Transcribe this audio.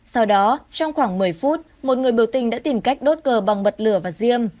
sau đó trong khoảng một mươi phút một người biểu tình đã tìm cách đốt cờ bằng bật lửa và diêm